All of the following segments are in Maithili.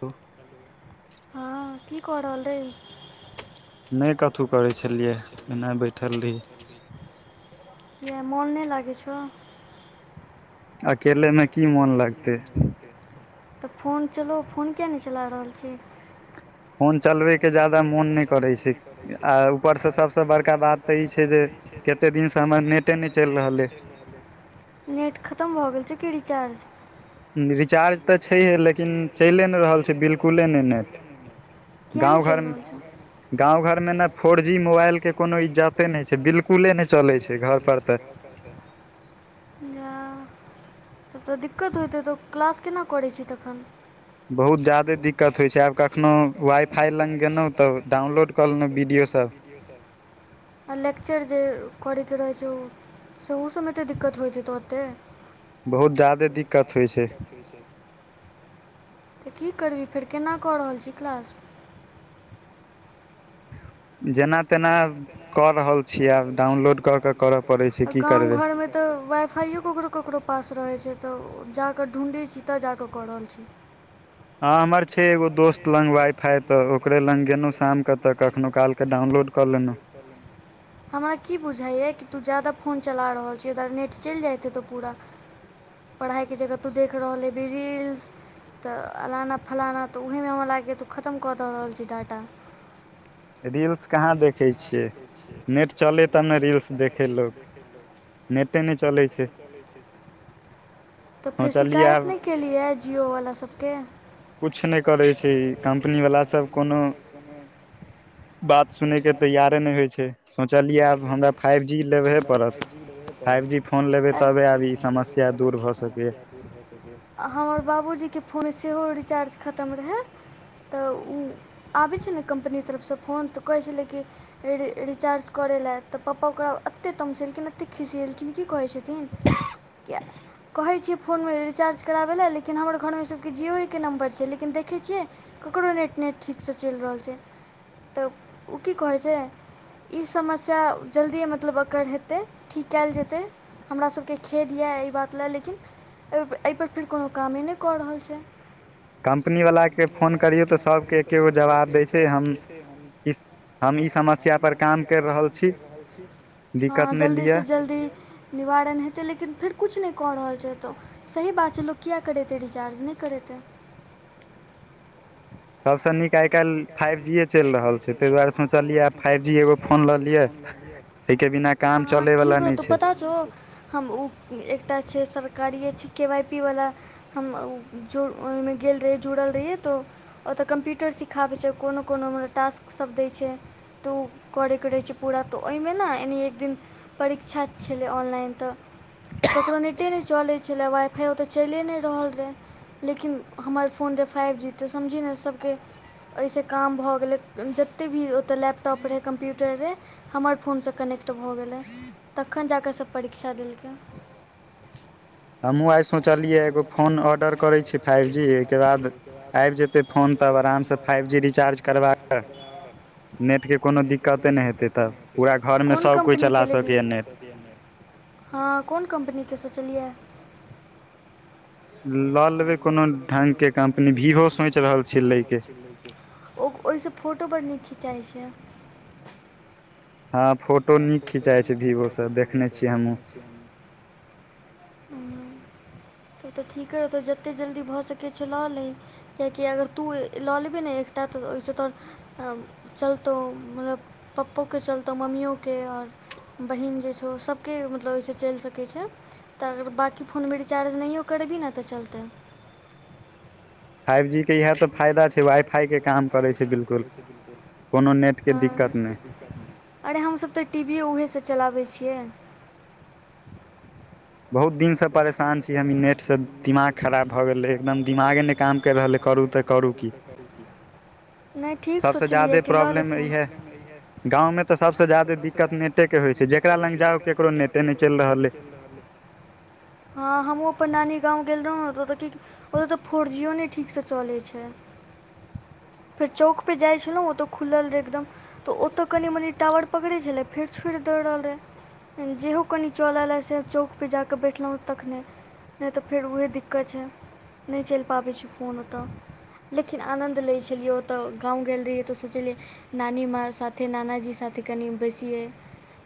त [unintelligible] हँ की क रहल रही नहि कथहु करै छलियै एनाहि बैठल रहहिय किया मोन नहि लागै छौ अकेले मे की मोन लगतै तऽ फोन चलो फोन किएक नहि चला रहल छी फोन चलबैे के जादा मोन नहि करै छै आ ऊपर सबस बड़क ा बात त ई छै जे केते दिन स हमर नेटे नै चलि रहल यै नेट खतम भऽ गेल छै की रिचार्ज रिचार्ज तऽ छैहे लेकिन चलिए नहि रहल छै बिलकुले नहि नेट गाँव घर गाँव घरमे न फोर जी मोबाइलके कोनो इज्जते नहि छै बिलकुले नहि चलै छै घरपर तऽ त तऽ दिक्कत होइत हेतौ क्लास केना करैत छी तखन बहुत ज्यादे दिक्कत होइ छै आब कखनो वाइफाइ लग गेलहुँ तऽ डाउनलोड कऽ लेलहुँ वीडियोसभ आ लेक्चर जे करयके रहैत छौ सेहो सभमे दिक्कत होइत छै तऽ ओते बहुत जादे दिक्कत होइ छै तकि करबिही केना क रहल छी क्लास जेना तेना कऽ रहल छीयै आब डाउनलोड कऽ क कर आ गामव घरमे तऽ वाइ फाइयओ ककरो ककरो पास रहै छै तऽ जाकऽ ढूँढै छी तऽ जाकऽ कऽ रहल छी हँ हमर छै एगो दोस्त लग वाइफाइ तऽ ओकरे लग गेलहुँ शामक तऽ कखनो कालक डाउनलोड कलेलौ हमरा की बुझाइए कि तू ज्यादा फोन चला रहल छी नेट चलि जाइत हेतौ पूरा पढ़ाइके जगह तू देख रहल हेबही रील्स तऽ अलाना फलाना तऽ ओहिमे हमरा लागैए तऽ ओ खतम कऽ दऽ रहल छी डाटा रील्स कहाँ देखै छियै नेट चलै तब ने रील्स देखै लोक नेटे नहि चलै छै तऽ फेर शिकायत नहि केलियै जिओवला सभके कुछ नहि करै छै कम्पनी वला सब कोनो बात सुनैके तैयारे नहि होइ छै सोचलियै आब हमरा फाइव जी लेबहे पड़त फाइव जी फोन लेबै तबे आब ई समस्या का दूर भऽ सकैए आ हमर बाबूजीके फोन सेहो रिचार्ज खतम रहै तऽ ओ आबै छै ने कम्पनी तरफसँ फोन तऽ कहै छलै कि रि रिचार्ज करै लए तऽ पपा ओकरा एते तमसेलखिन एते खिसिलखिन की कहै छथिन चीन क [unintelligible] कहै छियै फोनमे रिचार्ज कराबै लए लेकिन हमर घरमे ई सबके जिओके नम्बर छै लेकिन देखै छियै ककरो नेट नेट ठीकसँ चैल रहल छै तऽ ओ की कहै छै ई समस्या जल्दिए मतलब एकर हेतै ठीक कयल जेतै हमरा सबके खेत यऽ एहि बात लए लेकिन एहिपर फेर कोनो कामे नहि कऽ रहल छै कम्पनीवलाके फोन करियौ तऽ सभके एक्के गो जवाब दै छै हम इस हम ई समस्या पर काम करि रहल छी दिक्कत नहि लिअ जल्दी निवारण हेतै लेकिन फेर कूछ नहि कऽ रहल छै एतऽ सही बात छै लोक किया करेतै रिचार्ज नहि करेतै सभसँ नीक आय काल्हि फाइव जीए चलि रहल छै ताहि दुआरे सोचलियै आब फाइव जी एगो फोन लऽ लियै हँ ठीक हो तू पता छौ हम ओ एकटा छै सरकारिए छै के वाइ पी वला हम ओहिमे गेल रहि जुड़ल रहियै तऽ ओतऽ कम्प्यूटर सिख सिखाबै छै कोनो कोनो टास्कसभ दै छै तऽ ओ करैके रहै छै पूरा तऽ ओहिमे ने एन्हि एक दिन परीक्षा छलै ऑनलाइन तऽ ककरो नेटे नहि चलै छलै वाइ फाइ ओ तऽ चलिए नहि रहल रहै लेकिन हमर फोन रहै फाइव जी तऽ समझी ने सभके अहिसँ काम भऽ गेलै जतेक भी ओतय लैपटॉप रहै कम्प्यूटर रहै हमर फोनसँ कनेक्ट भऽ गेलै तखन जा कऽ सभ परीक्षा देलकै हमहुं आइ सोचलियै एगो फोन ऑर्डर करै छी फाइव जी ओइके बाद आबि जेतै फोन तब आरामसँ फाइव जी रिचार्ज करबाकऽ नेटके कोनो दिक्कते नहि हेतै तब पूरा घरमे सभ कोय चला सकैए नेट हँ कोन कम्पनीके सोचलिए लऽ लेबै कोनो ढंग के कम्पनी भीवो सोचि रहल छियै लै के ओ ओहिसँ फोटो बड़ नीक खिचाय छै हँ फोटो नीक खिचाय छै भीवो से देखने छियै हमू त तऽ ठीके रहतौ जतेक जल्दी भऽ सकै छै ल ले कियाकि अगर तू लऽ लेबही ने एकटा तऽ ओहिसँ तोहर चलतौ मतलब पप्पोके चलतौ मम्मियओे के आओर बहिन जे छौ सभके मतलब ओहिसँ चलि सकै छै तऽ अगर बाँकी फोनमे रिचार्ज नहियो करेबही ने तऽ चलतै फाइव जी के इएह तऽ फायदा छै वाइ फाई के काम करै छै बिल्कुल कोनो नेट के दिक्कत नहि अरे हमसभ तऽ टी वीए उहेसँ चलाबै छियै बहुत दिनसँ सभ परेशान छी हम ई नेटसँ दिमाग खराब भऽ गेलै एकदम दिमागे नहि काम कैर रहलेै करू तऽ करू की नहि ठीक सोचलियै कि लऽ ले फोन गाँव मे तऽ सबसे ज्यादे दिक्कत नेटे के होय छै जकरा लग जाउ केकरो नेटे नहि चलि रहल हय हँ हमहूँ अपन नानी गाँव गेल रहौ त तऽ की ओतऽ तऽ फोर जियो नहि ठीकसँ चलै छै फेर चौकपर जाइ छलहुँ ओतय खुलल रहै एकदम तऽ ओतऽ कनि मनी टावर पकड़ै छलै फेर छोड़ि दै रहल रहै जेहो कनि चलल ह से चौकपर जाकऽ बैठलहुँ तखने नहि तऽ फेर उएह दिक्कत छै नहि चलि पाबैत छै फोन ओतय लेकिन आनन्द लै छलियै ओतऽ गाँव गेल रहियै तऽ सोचलियै नानी माँ साथे नानाजी साथे तऽ कनि बैसियै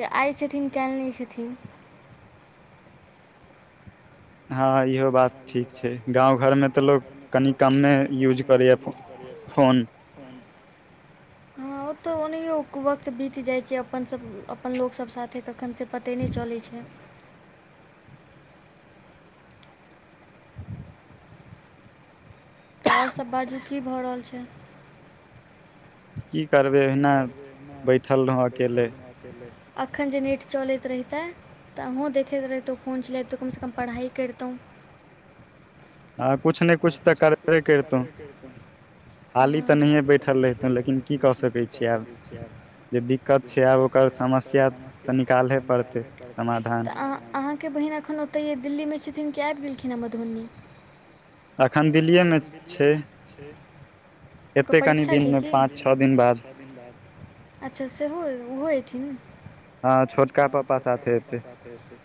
तऽ आय छथिन काल्हि नहि छथिन हँ इहो बात ठीक छै गाँव घरमे तऽ लोक कनि कमे यूज करैए फोन [unintelligible] हँ ओ तऽ ओनाहियो वक्त बीत जाय छै अपन सब अपन लोक सब साथे कखन से पते नहि चलै छै तऽ आओर सभ बाजू की भऽ रहल छै की करबै ओहिना बैठल रहौ अकेले अखन जे नेट चलैत रहितेए तऽ अहूँ देखैत रहितौ त फोन चलैबतौ कमसँ कम पढ़ाइ करितौ हँ कुछ नै कुछ तऽ करबे करितौ खाली तऽ नहिए बैठल रहितौ लेकिन की कऽ सकै छियै आब जे दिक्कत छै आब ओकर समस्या तऽ निकालहे पड़तै समाधान अहाँके बहिन एखन ओतहि दिल्लीमे छथिन कि आबि गेलखिनँ मधुबनी अखन दिल्लीएम छै एते कनि दिनमे पाँच छः दिन बाद अच्छा सेहो उहो अयथिन हँ छोटका पापा साथे एतै ह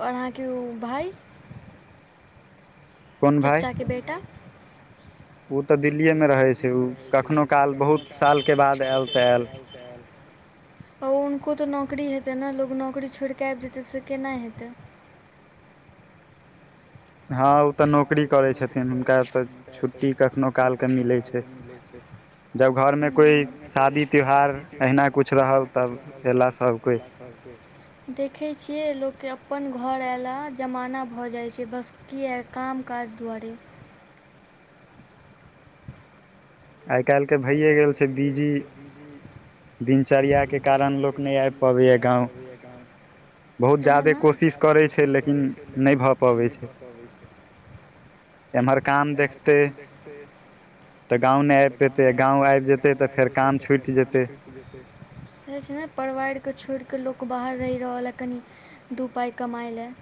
आओर अहाँके उ उ भाय चच्चा के बेटा उ तऽ दिल्लिएमे रहै छै ओ कखनो काल बहुत सालके बाद आयल तऽ आयल त आयल ओ हुनको तऽ नौकरी हेतै न लोक नौकरी छोड़िकऽ आबि जेतै से केना हेतै हँ उ तऽ नौ ह उ तऽ नौकरी करै छथिन हुनका सब छुट्टी कखनो कालके मिलै छै जब घरमे कोइ शादी त्योहार अहिना कुछ रहल तब अयला सब अयला सबकोय देखे छीयए लोग के अपन घर ऐला जमाना भ जाय छै बसकिया काम काज दुआरे आय काल्हि के आय काल्हि तऽ भेले गेल से बीजी दिनचर्या के कारण लोक नहि आबि पाबै य गाँव सेहे न ज्यादे कोशिश करै छै लेकिन नहि भऽ पबै छै एम्हर काम देखतै तऽ गाँव नहि आबि पयतै गाँव आबि जेतै तऽ फेर काम छुटि जेतै कहै छै ने परिवार क छोड़ि कऽ लोक बाहर रहि रहल ह कनि दू पाइ कमाय लए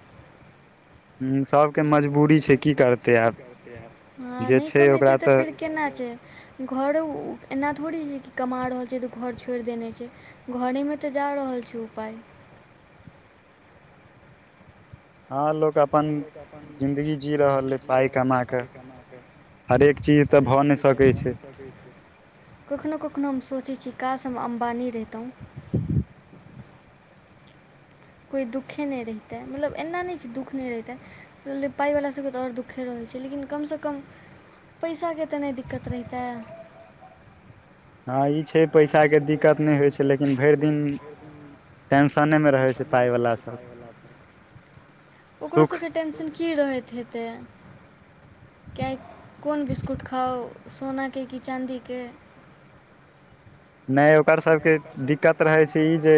ह सब सब के मजबूरी की करतै हँ नहि कमेतै तऽ फेर केना छै घरो एना थोड़े छै कि कमा रहल छै तऽ घर छोड़ि देने छै घरेमे तऽ जा रहल छै उ पाय हँ लोक अपन जिन्दगी जी रहल अय पाइ कमा कऽ हरेक चीज तऽ भऽ नहि सकै छै कखनो कखनो हम सोचैत छी काश हम अम्बानी रहितौ [unintelligible] कोइ दुःखे नहि रहितै मतलब एना नहि छै दुःख नहि रहितै पाइवला सभके तऽ आओर दुखे रहैत छै लेकिन कमसँ कम पैसाके के त नहि दिक्कत रहितेए हा ई आ छै पैसाके दिक्कत नहि होय छै लेकिन टेंशनेमे रहै छै पायवाला सभ ओकरोसभके टेंशन की रहैत हेतै क्या कोन बिस्कुट खाउ सोनाके कि चाँदीके नहि सब के दिक्कत रहै छै ई जे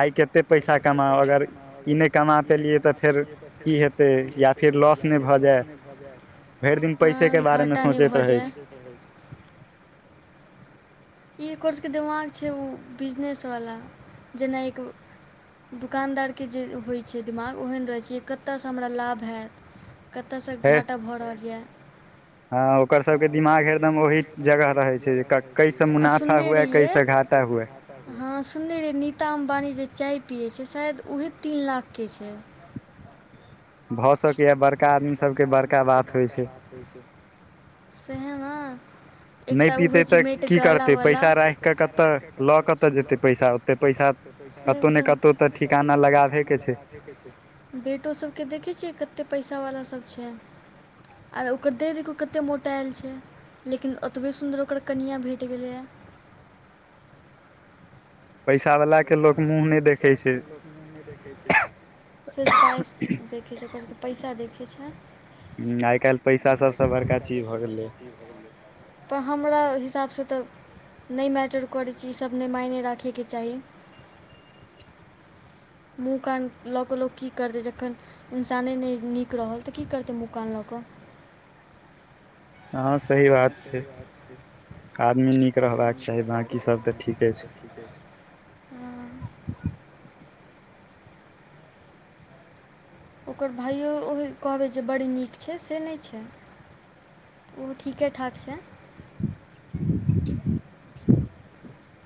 आय कते पैसा कमाउ अगर इने ई नहि कमातैय तऽ फेर की हेतै या फेर लॉस नहि भऽ जाय हँ घाटा नहि भऽ जाय ई अकर सबके दिमाग छै ओ बिजनेसवला जेना एक दुकानदारके जे होइत छै दिमाग ओहन रहैत छै कतयसँ हमरा लाभ हैत कतेऽ सँ घाटा भऽ रहल यऽ हँ ओकर सबके दिमाग हरदम ओह जगह रहे छै जे कैसे मुनाफा हुएै कैसे घाटा हुएै हँ सुननेे रहियै नीता अम्बानी जे चाय पियैत छै शायद उएहे तीन लाख के छै भऽ सकया बड़का आदमी सबके बड़का बात होइ छै। सेहा ना एकटा ओ होय छै मेट गाला वाला पैसा राख के ल क कत जीते [inaudible] से तऽ क क ठिकाना लगाबे के छै बेटो सबके देखे छियै [unintelligible] कते पैसावला सब छै आर ओकर देह देखियो कते मोटा आयल छै लेकिन ओतबे सुन्दर ओकर कनियाँ भेट गेलैए पैसा वला के लोक मुँह नहि देखै छै, सिर्फ पाइस देखैत छै ओकररा सभके पैसा देखैत छै [inaudible] आइ काल्हि पैसा सभसँ बड़का चीज भऽ गेलै तऽ हमरा हिसाबसँ तऽ नहि मैटर करैत छी ईसभ नहि मायने राखे के चाही मुँह कान लऽ कऽ लोक की करतै जखन ' इंसाने न नीक रहल तऽ की करतै मुँह कान लऽ कऽ अहाँ हँ से [inaudible] आदमी नीक रहबाक चाही बाँकी सभ तऽ ठीके छै, ठीके छै ओकर भाइयो अहि कहबै जे बड़ नीक छै से नहि छै ओहो ठीके ठाक छै [unintelligible]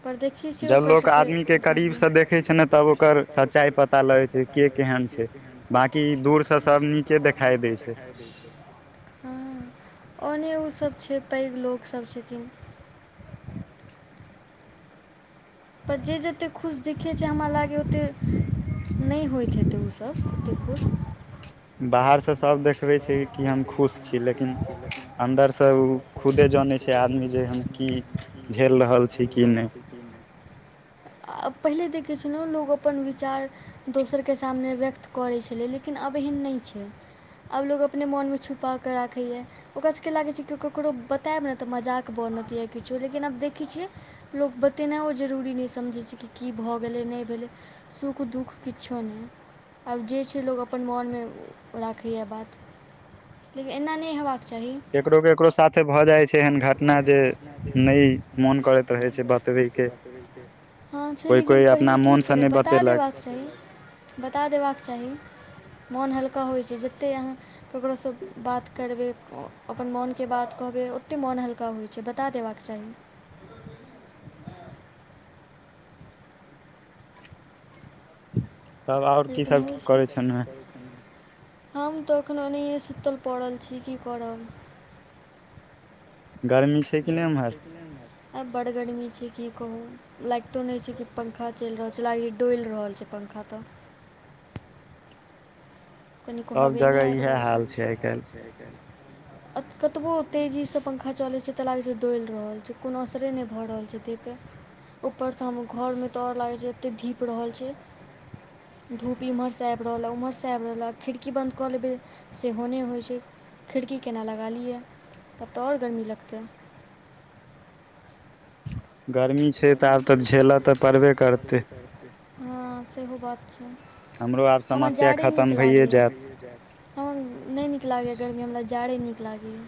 ओ देखै छियै ओकर सभके गरीब सब देखै छै ने त ओकर [inaudible] सच्चाइ पता लगै छैते केहन छै बाँकी दूरसँ सब नीके देखाइ दै छै। ह ओने उसभ छै पैघ लोकसभ छथिन पर जे जतेक खुश दिखे छै हमरा लागय ओतेक नहि होइत हेतै ओसभ केपुश [inaudible] बाहरसँ सभ देखबै छै कि हम खुश छी लेकिन अन्दरसँ ऊ खुदे जानै छै आदमी जे हम की झेल रहल छी कि नहि ह [inaudible] आ पहिले देखैत छलहु लोक अपन विचार ' दोसर सामने व्यक्त करैत छलै लेकिन आब एहन नहि छै आब लोक अपने मोनमे छुपा कऽ राखैए ओकरासँ क लागै छै कि ककरो बतायब नहि तऽ मजाक बनत या किछ लेकिन आब देखैत छियै लोको [inaudible] ग बति नहि जरूरी नहि समझै छै कि की भऽ गेलै नहि भेलै सुख दुःख किछु नहि आब जे छै लोग अपन मोनमे राखैए बात लेकिन एना नहि हयबाक चाही। केकरो केकरो साथ भऽ जाइ छै एहन घटना जे नहि मोन करत रहै छै बतबै के कोय कोय अपना मोनसँ नहि बतेलक बात चाही बता देबाक चाही मोन हल्का होइत छै जतेक अहाँ ककरोसँ बात करबै अपन मोनके बात कहबै। कते मोन हल्का होइ छै बता देबाक चाही लेकिन होय छै ने हम ते एखने ओ नहिहिए सुतल पड़ल छी की करब गर्मी छै आ बड़ गर्मी छै की कहू लागितो नहि छै कि पंखो चलि रहल छै लाग ई डोलि रहल छै पंखा तऽ कन कह हबे नहि आबि रहल छै कतबो तेजीसँ पंखा चलैत छै तऽ लागैत छै डोलि रहल छै कोनो असरे नहि भऽ रहल छै ताहि पर ऊपर से हम घर में तऽ और लागे छै एते धीप रहल छै धूप इम्हर से आबि रहल उम्हर से आबि रहलय खिड़की बन्द कऽ लेबै सेहो नहि होइ छै खिड़की केना लगा लिए तब तऽ आओर गरमी लगतै गरमी छै तऽ आब तऽ झेलऽ तऽ पड़बे करैत हँ सेहो बात छै [unintelligible] हमरा जाड़े नीक लागैए नये नीक लागैयए गरमी हमरा जाड़े नीक लागैए